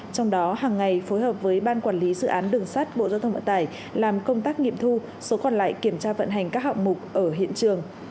trong đó hàng ngày phối hợp với ban quản lý dự án đường sắt bộ giao thông vận tải làm công tác nghiệm thu số còn lại kiểm tra vận hành các hạng mục ở hiện trường